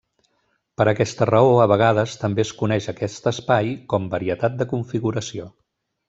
Per aquesta raó a vegades també es coneix a aquest espai com varietat de configuració.